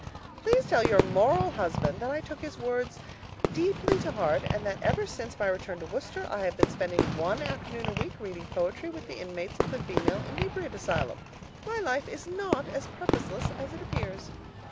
Please tell your moral husband that I took his words deeply to heart, and that ever since my return to Worcester I have been spending one afternoon a week reading poetry with the inmates of the Female Inebriate Asylum. My life is not so purposeless as it appears.